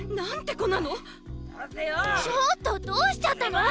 ちょっとどうしちゃったの？